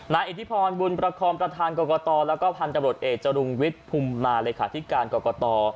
อิทธิพรบุญประคอมประธานกรกตแล้วก็พันธบรวจเอกจรุงวิทย์ภูมิมาเลขาธิการกรกต